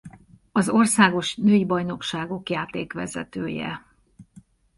Az országos női bajnokságok játékvezetője.